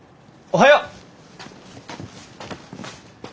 おはよう。